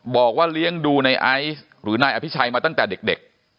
บอกว่าเลี้ยงดูในไอซ์หรือนายอภิชัยมาตั้งแต่เด็ก